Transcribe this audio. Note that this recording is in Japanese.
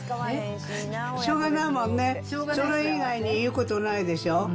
しょうがないもんね。それ以外に言うことないでしょ？